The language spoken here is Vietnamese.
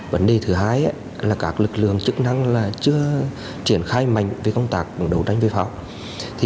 vấn đề thứ hai là các lực lượng chức năng chưa triển khai mạnh về công tác đấu tranh về pháo